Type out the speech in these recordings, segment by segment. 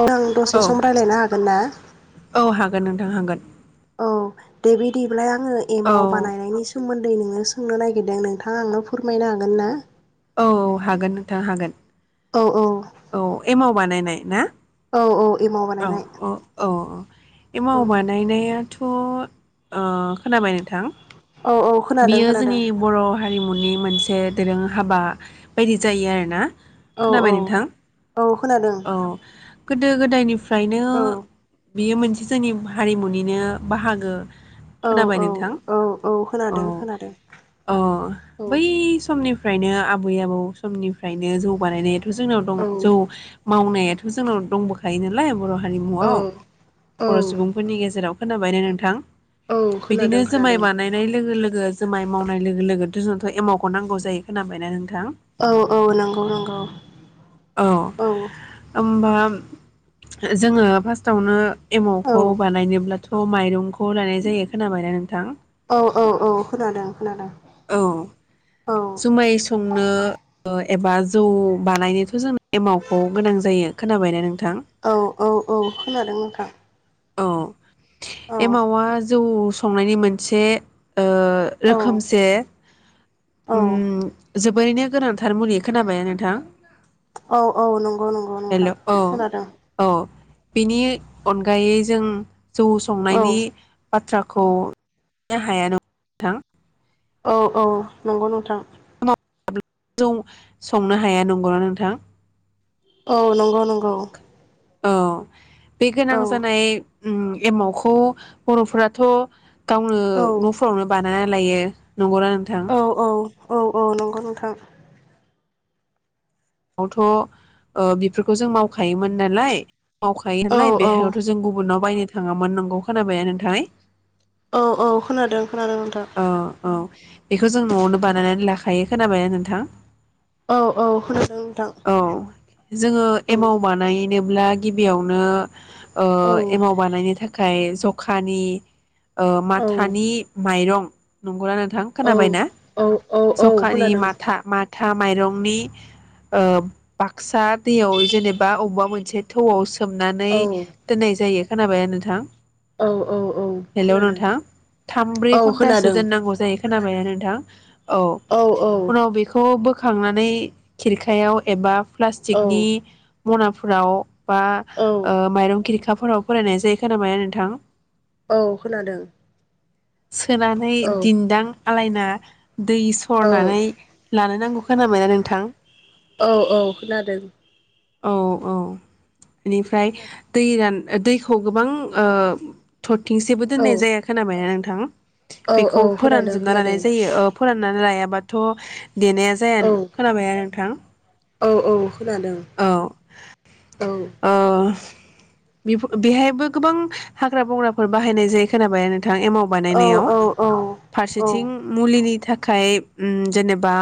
औ आं औ दसे सम रायलायनो हागोन ना? ओं हागोन। औ दे बिदिबालाय आं आङो औ एमाव बानायनायनि सोमोन्दै नोङो सोंनो नागिरदों नोंथाङा आंनो फोरमायनो हागोन ना? औ हागोन नोंथां हागोन। औ औ औ एमाव बानायनाय ना? औ औ एमाव औ बानायनाय औ औ एमाव औ बानायनाया थ' ओ खोनाबाय नोंथां? औ औ खोनादों बियो खोनादों जोंनि बर' हारिमुनि मोनसे से दोरों हाबा बायदि जायो आरो ना। औ औ औ खोनादों। औ गोदो गोदायनि फ्रायनो औ बियो मोनसे जोंनि हारिमुनिनो बाहागो। औ खोनाबाय औ नोंथां? औ औ खोनादों खोनादों अ औ बै सम समनिफ्रायनो आबै आबौ समनिफ्रायनो जौ बानायनाय जोंनाव दङ औ जौ मावनायाथ' जोंनाव दंबोखायो नालाय बर' औ हारिमुआव बर' सुबुंफोरनि गेजेराव खोनाबाय ने नोंथां? औ बिदिनो खोनादों जुमाय खोनादों। बानायनाय लोगो लोगो जोमाय मावनाय लोगो लोगोथ' जोंथ' एमाव खौ नांगौ जायो खोनायना नोंथां? औ औ नंगौ नंगौ औ होमबा जोङो फार्स्टआवनो औ एमावखौ बानायनोब्ला थ' माइरंखौ लानाय जायो खोनाबायना नोंथां? औ औ औ खोनादों खोनादों। औ औ जुमाय संनो ओ एबा जौ बानायनोथ' जों एमावखौ गोनां जायो खोनाबायना नों औ औ औ खोनादों नोंथां। औ औ एमावा जौ संनायनि मोनसे ओ औ रोखोमसे औ उम जोबोरैनो गोनांथार मुलि खोनाबायना नोंथां? औ औ नंगौ नंगौ नोंथां हेल' औ खोनादों। औ बेनि अनगायै जों जौ औ संनायनि बाथ्राखौनो हाया ना नोंथां। औ औ नंगौ नोंथां। जं संनो हाया नंगौना नोंथां? औ नंगौ नंगौ। औ बे गोनां औ जानाय ओम एमावखौ बर' फोराथ' गावनो औ न'फोरावनो बाना नाया लायो। नंगौना नोंथां? औ औ औ नंगौ नोंथां। न आवथ' बेफोरखौ जों मावखायोमोन नालाय मावखायो औ नालाय औ बेहायावथ' जों गुबुनाव बायनो थांङामोन नंगौ खोनाबाय नोंथांङै औ औ खोनादों खोनादों नोंथां औ औ बेखौ जों न'आवनो बानायनानै लाख खायो खोनाबायना नोंथां। औ औ होनदों नोंथां। जोंङो औ एमाव बानाय होनोब्ला गिबियावनो ओ औ एमाव बानायनो थाखाय फाय जखानि ओ औ माथानि माइरं नंगो [unintelligible] नोंथां औ खोनाबाय ना औ औ औ जखानि खोनादों माथा मा था माइरंनि ओ बाक्सा दैयाव जेनेबा अबेबा मोनसे थौआव सो मनानै औ दोननाय जायो। खोनाबायना नोंथां औ औ औ हेलौ खोनादों नोंथां थाम ब्रै औ घन तासो खोनादों दोननांगौ जायो खोनाबाय नों थां औ उनाव बेखौ बो खांनानै खिरखायाव एबा औ प्लास्टिकनि मना फोराव बा ओ माइरं खिर खाफोराव फोराननाय जायो खोनाबाय ना नोंथां औ खोनादों। सोनाहै दिनदां आलायना दै औ औ सरनानै लानो नांगौ खोनाबाय ना नोंथां औ औ खोनादों औ औ इनिफ्राय दै रान दैखौ गोबां ओ थरथिंसेबो औ दोननाय जाया खोनाबाय ना नों थां औ बेखौ औ खोनादों फोरानजोबना खोनादों लानाय जायो ओ फोराननानै लायाबाथ' देनाया जाया औ खोनाबायना नोंथां औ औ खोनादों औ औ ओ बेफो बेहायबो गोबां हाग्रा बंग्राफोर बाहायनाय जायो खोनाबायना नों थां एमाव औ बानायनायाव औ औ औ औ फारसेथिं मुलि‌ नि थाखाय अम जेनेबा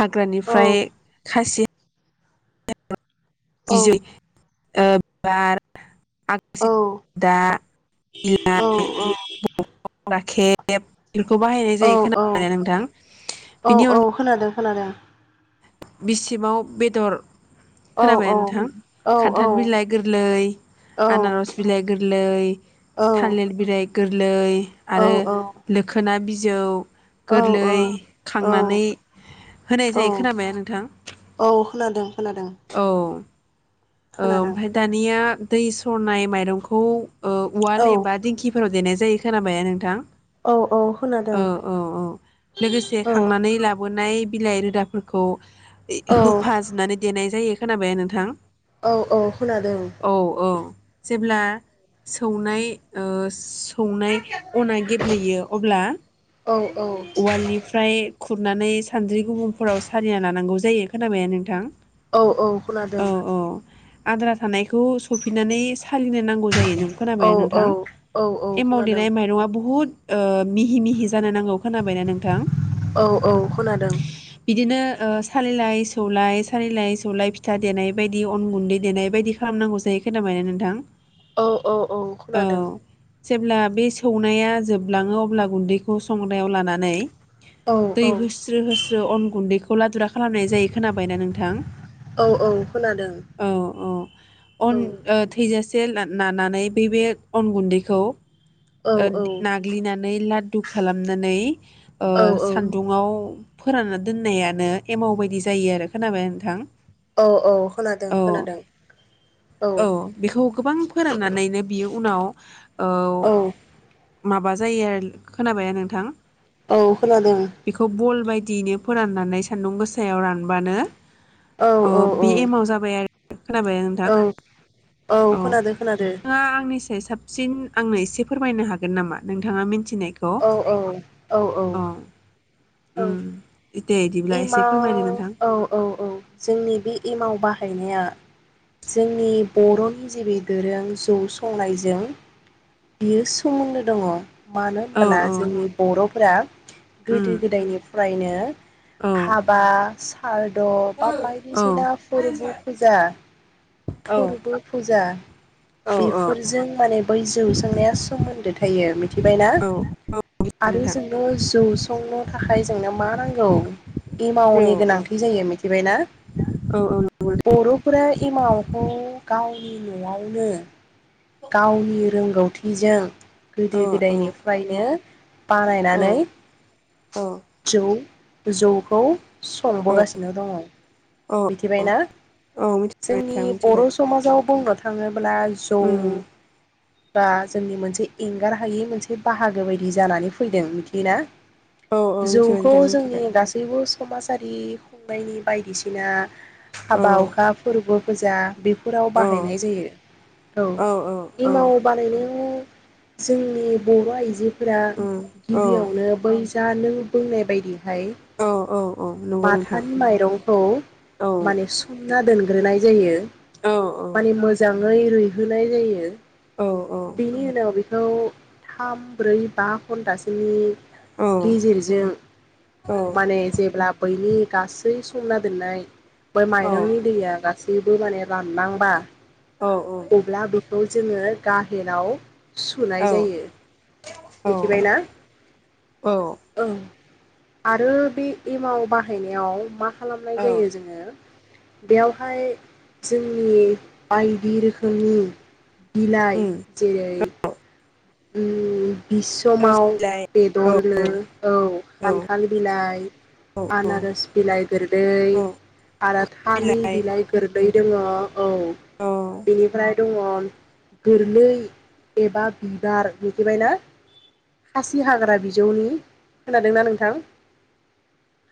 हाग्रानिफ्राय खासि [unintelligible] बिजै ओ बिबार आखसि दा बिलाइ [unintelligible] खेब बेफोरखौ बाहायनाय औ जायो खोना [unintelligible] नोंथां औ बेनि औ अनगाय खोनादों खोनादों। बिसिबाव बेदर औ औ खोनाबायना नोंथां औ औ खान्थाल बिलाइ गोरलै औ आनारस बिलाइ गोरलै थालिर बिलाइ गोरलै आरो लोखोना बिज जौ गोरलै औ खांनानै होनाय जायो औ खोनाबाया ना नों औ खोनादों खोनादों। बुं खोनादों ओमफाय दानिया दै सरनाय माइरंखौ ओ उवाल औ एबा दिंखि फोराव देनाय जायो खोनाबायना नोंथां। औ औ औ लोगोसे औ खांनानै लाबोनाय बिलाइ रोदाफोरखौ ए औ होफाजनानै देनाय जायो। खोनाबायना नोंथां। औ औ खोनादों। औ औ जेब्ला सौनाय ओ सौनाय अना गेब्लेयो अब्ला औ औ उवालनिफ्राय खुरनानै सानद्रि गुबुंफोराव सालिना लानांगौ जायो खोनाबायना नोंथां। औ औ खोनादों। औ औ आद्रा थानायखौ सफैनानै सालिनो नांग गौ जायो नों औ खोनाबायना नोंथां औ औ औ एमाव खोनादों देनाय माइरंआ बुहुद ओ मिहि मिहि जानो नांगौ। खोनाबायना नोंथां। औ औ खोनादों। बिदिनो ओ सालिलाय सौलाय सालिलाय सौलाय फिथा देनाय बायदि अन गुन्दै देनाय बायदि खालामनांगौ जायो खोनाबाय ना नोंथां। औ औ औ औ खोनादों जेब्ला बे सौनाया जोबलाङो अब्ला गुन्दैखौ सं याव लानानै औ दै औ होस्रो होस्रो अन गुन्दैखौ लादुरा खालामनाय जायो खोनाबायना नोंथां? औ औ खोनादों औ औ अन औ ओ थैजासे बेलना नानानै बै बे अन गुन्दैखौ औ ओ नाग्लिनानै लादु खालामनानै ओ औ औ सान्दुंआव फोरानना दोननायानो एमाव बायदि जायो आरो खोनाबाय नोंथां? औ औ खोनादों औ खोनादों औ। गोबां फोराननानैनो बियो उनाव औ। माबा जायो खोनाबायना नोंथां? औ खोनादों। दिनो फोराननानै सान्दुं गोसायाव रानबानो औ अ औ बे औ एमाव जाबाय आरो। खोनाबाय नोंथां? औ औ खोनादो खोनादो। नोंथाङा आंनिसाय साबसिन आंनो एसे फोरमायनो हागोन नामा नोंथाङा मिनथि औ औ औ औ। औ उम इद। एमाव औ औ औ जोंनि बे एमाव बाहाय गनाया जोंनि बर'नि जे बे दोरों जौ संनायजों बियो सोमोन्दो दङ। मानो औ होनबोला औ जोंनि बर'फोरा उम गोदो गोदायनि फ्रायनो। औ हाबा आर ओ ब बा औ बायदिसिना फोरबु फुजा। फोरबो फुजा औ बेफोरजों माने बै जौ संनाया सोमोन्दो थायो मिथिबायना औ औ आरो नोंथां जोंङो जौ संनो थाखाय जोंना मा नां औ। औ एमावनि औ गोनांथि जायो मिथिबायना औ औ नंगौ बर'फोरा एमाव खौ गावनि न'आवनो गावनि रोंगौथि जों। गोदो नोंथां औ गोदायनिफ्रायनो औ बानायनानै औ जौ जौखौ। संबोगासिनो दङ, औ मिथिबायना? औ मिथिबाय जोंनि नोंथां बर' मिथिबाय समाजाव बुंनो थाङोब्ला जौ उम बा जोंनि मोनसे एंगार हायै मोनसे बाहागो बायदि जानानै फैदों मिथियो ना? औ औ मिथिबाय जौखौ नोंथां जोंनि मिथिबाय गासैबो सु समाजारि खुंनायनि बायदिसिना औ हाबा हुखा फोरबो फुजा बि फोराव औ बाहायनाय जायो, औ एमाव बानायनायाव जोंनि बर' आइजो फोरा उम औ गिबियावनो बै दा नों बुंनाय बायदि। हाय औ औ औ [inaudible] नंगौ नोंथां माथानि माइरंखौ औ माने सुमना दोन ग्रोनाय जायो। औ औ। ङै रुइहोनाय जायो। औ बिनि उनाव बि खौ थाम ब्रै बा धन्टासेनि औ गेजेरजों [inaudible] औ माने जेब्ला बैनि गासै सुमना दोननाय बय औ माइरंनि दैया गा थिबो माने राननांबा अब्ला बैखौ जोङो गाहेनाव सुनाय जायो मिथिबाय ना? औ औ ओं। आरो बे एमाव बाहायनायाव मा खालामनाय जायो जोङो। बेयावहाय जोंनि बायदि रोखोमनि बिलाइ उम जेरै उम। बि आर'ज समाव बिलाइ औ बेदरनो औ औ खान्थाल बिलाइ औ आनारस बिलाइ गोरलै औ आरो थालि बिलाइ गोरलै जोङो औ औ बेनिफ्राय दङ गोरलै एबा बिबार मिथिबायना? खासि हाग्रा बिजौनि खोनादोंना नोंथां?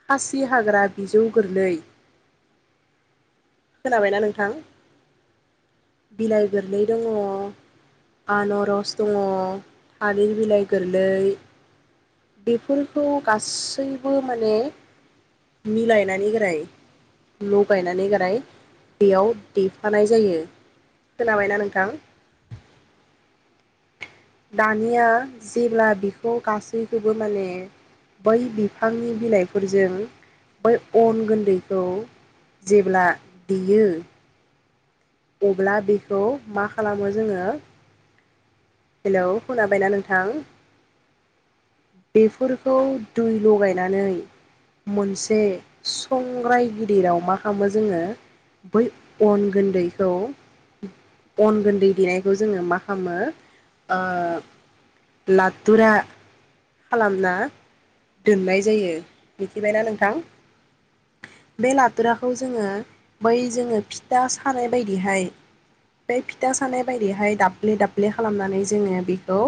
खासि हाग्रा बिजौ गोरलै खोनाबायना नोंथां? बिलाइ गोरलै दङ आनरस दङ थालिर बिलाइ गोरलै बेफोरखौ गासैबो माने मिलायनानै गोराय लगायनानै गोराय बेयाव देफानाय जायो। खोनाबायना नोंथां? दानिया जेब्ला बिखौ गासैखौबो माने बै बिफांनि बिलाइफोरजों बै अन गुन्दैखौ जेब्ला देयो। अब्ला बेखौ मा खालामो जोङो हेलौ खोनाबायना नोंथां? बेफोरखौ दै लगायनानै मोनसे संग्राय गिदिराव मा खालामो जोङो बै अन गोन्दै अन गोन्दै देनायखौ जोङो मा खालामो ओ लाथुरा खालामना दोननाय जायो। मिथिबायना नोंथां? बे लाथुराखौ जोङो बै जोङो फिथा सानाय बे बायदिहाय बे फिथा सानाय बायदिहाय दाब्ले दाब्ले खालामनानै जोङो बेखौ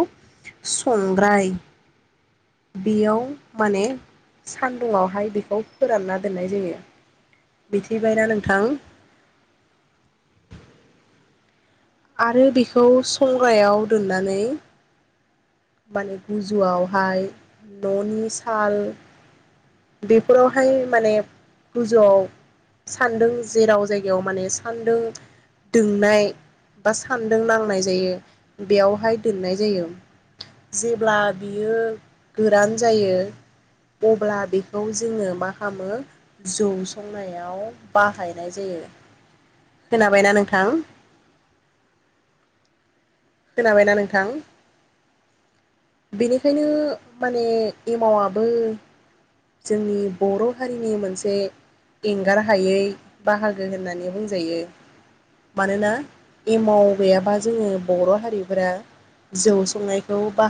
संग्राय बेयाव माने सान्दुंआवहाय बेखौ फोरानना दोननाय जोयो। बिथिबायना नोंथां? आरो बेखौ संग्रायाव दोननानै माने गोजौआवहाय न'नि साल बेफोरावहाय माने गोजौआव सान्दों जेराव जायगायाव माने सान्दोन दोंनाय बा सान्दों नांनाय जायो बेयावहाय दोननाय जायो। जेब्ला बियो गोरान जायो अब्ला बेखौ जोङो मा खालामो जौ संनायाव बाहायनाय जायो। खोनाबायना नोंथां? खोनाबायना नोंथां? बेनिखायनो माने एमावाबो जोंनि बर' हारिनि मोनसे एंगार हायै बाहागो होननानै बुंजायो। मानोना एमाव गैयाबा जोङो बर' हारिफोरा जौ संनायखौ बा